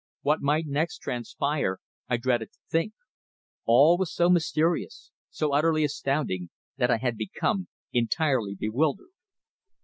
What might next transpire I dreaded to think. All was so mysterious, so utterly astounding, that I had become entirely bewildered.